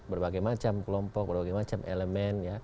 berbagai macam kelompok berbagai macam elemen